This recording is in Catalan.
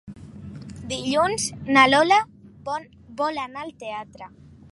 Dilluns na Lola vol anar al teatre.